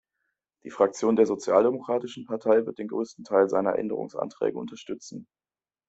Die Fraktion der Sozialdemokratischen Partei wird den größten Teil seiner Änderungsanträge unterstützen.